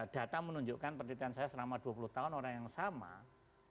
data menunjukkan pertanyaan saya selama dua puluh tahun orang yang sangat imun